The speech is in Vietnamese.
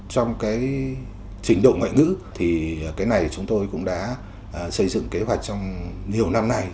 trong cái trình độ ngoại ngữ thì cái này chúng tôi cũng đã xây dựng kế hoạch trong nhiều năm nay